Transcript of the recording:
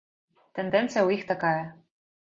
Тэндэнцыя ў іх такая.